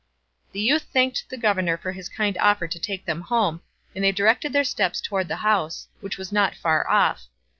The youth thanked the governor for his kind offer to take them home, and they directed their steps towards the house, which was not far off.